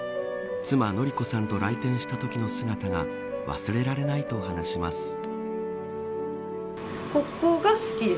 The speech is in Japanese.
妻、典子さんと来店したときの姿が忘れられないと話します。